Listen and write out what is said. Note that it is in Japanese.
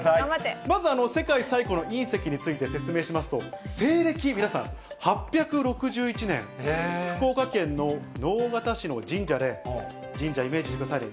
まず世界最古の隕石について説明しますと、西暦、皆さん８６１年、福岡県の直方市の神社で、神社、イメージしてくださいね。